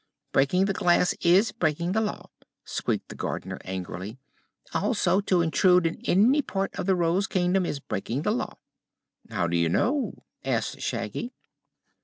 "Breaking the glass is breaking the Law," squeaked the Gardener, angrily. "Also, to intrude in any part of the Rose Kingdom is breaking the Law." "How do you know?" asked Shaggy.